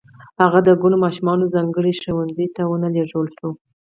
هغه د کڼو ماشومانو ځانګړي ښوونځي ته و نه لېږل شو